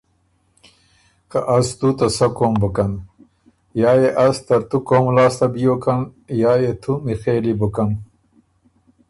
”که از تُو ته سۀ قوم بُکن، یا يې از ترتُو قوم لاسته بیوکن یا يې تُو میخېلی بُکن“